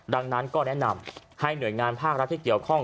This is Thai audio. ดังนั้นก็แนะนำให้หน่วยงานภาครัฐที่เกี่ยวข้อง